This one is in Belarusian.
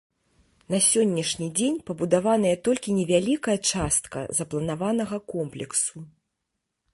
На сённяшні дзень пабудаваная толькі невялікая частка запланаванага комплексу.